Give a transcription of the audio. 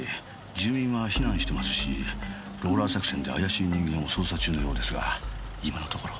住民は避難してますしローラー作戦で怪しい人間を捜査中のようですが今のところ。